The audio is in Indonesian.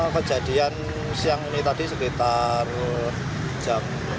kejadian siang ini tadi sekitar jam empat belas